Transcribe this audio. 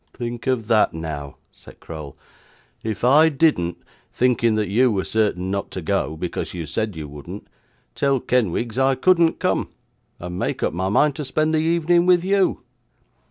'Think of that now!' said Crowl. 'If I didn't thinking that you were certain not to go, because you said you wouldn't tell Kenwigs I couldn't come, and make up my mind to spend the evening with you!